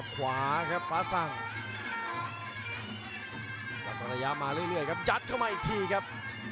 ขวาครับฟ้าสั่งจากภรรยามาเรื่อยครับยัดเข้ามาอีกทีครับ